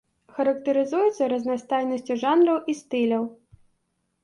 Характарызуецца разнастайнасцю жанраў і стыляў.